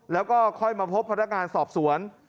แล้วก็ค่อยมาพบพนักงานสอบสวน